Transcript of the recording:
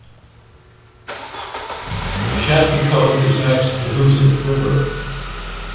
Schaghticoke is next to the Hoosic River.